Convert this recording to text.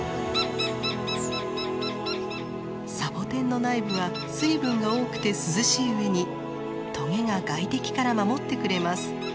サボテンの内部は水分が多くて涼しいうえにトゲが外敵から守ってくれます。